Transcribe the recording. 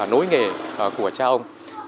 nối nghề của cha ông